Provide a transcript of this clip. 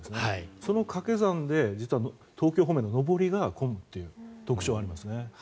その掛け算で実は東京方面の上りが混むという特徴がありますね。